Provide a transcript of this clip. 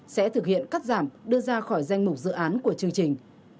sẽ thực hiện cắt giảm đưa ra khỏi danh mục dự án của chương trình